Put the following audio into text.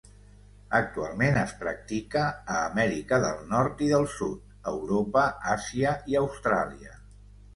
Actualment es practica a Amèrica del Nord i del Sud, Europa, Àsia i Austràlia.